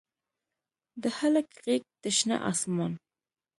د هلک غیږ د شنه اسمان